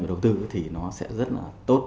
và đầu tư thì nó sẽ rất là tốt